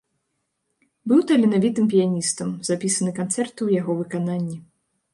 Быў таленавітым піяністам, запісаны канцэрты ў яго выкананні.